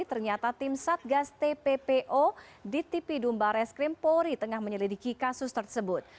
ternyata tim satgas tppo ditipidum barres krimpori tengah menyelidiki kasus tersebut